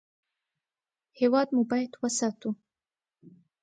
هېواد مو باید وساتو